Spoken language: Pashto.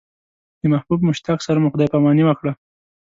د محبوب مشتاق سره مو خدای پاماني وکړه.